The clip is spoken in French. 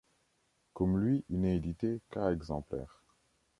Comme lui, il n'est édité qu'à exemplaires.